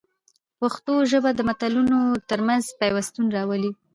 پښتو ژبه د ملتونو ترمنځ پیوستون راولي.